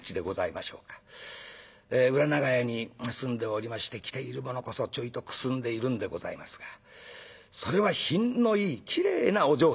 裏長屋に住んでおりまして着ているものこそちょいとくすんでいるんでございますがそれは品のいいきれいなお嬢さんでございます。